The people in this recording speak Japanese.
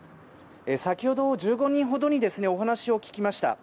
先ほど、１５人ほどにお話を聞きました。